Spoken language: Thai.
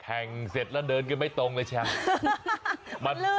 แข่งเสร็จแล้วเดินขึ้นไม่ตรงเลยครับ